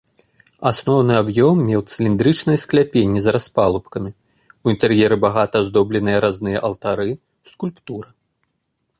Асноўны аб'ём меў цыліндрычнае скляпенне з распалубкамі, у інтэр'еры багата аздобленыя разныя алтары, скульптура.